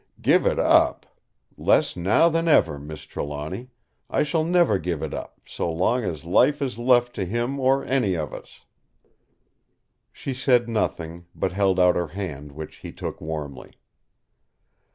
"Give it up! Less now than ever. Miss Trelawny, I shall never give it up, so long as life is left to him or any of us!" She said nothing, but held out her hand, which he took warmly.